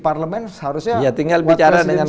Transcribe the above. parlemen seharusnya ya tinggal bicara dengan